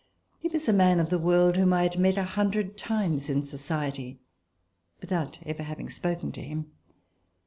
He was a man of the world whom I had met a hundred times in society without ever having spoken to him.